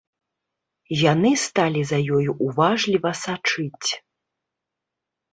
Яны сталі за ёй уважліва сачыць.